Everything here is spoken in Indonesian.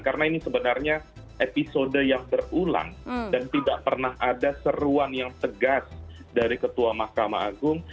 karena ini sebenarnya episode yang berulang dan tidak pernah ada seruan yang tegas dari ketua mahkamah agung